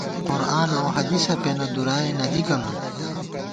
قرآن اؤ حدیثہ پېنہ ، دُرائے نہ دِکہ نُون